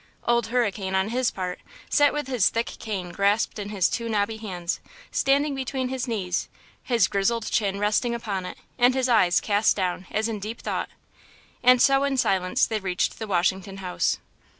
Old Hurricane, on his part, sat with his thick cane grasped in his two knobby hands, standing between his knees, his grizzled chin resting upon it and his eyes cast down as in deep thought. And so in silence they reached the Washington House.